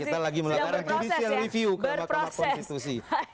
kita lagi melakukan judicial review ke mahkamah konstitusi